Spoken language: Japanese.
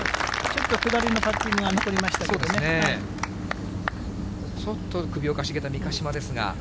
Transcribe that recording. ちょっと下りのパッティングは残そうですね。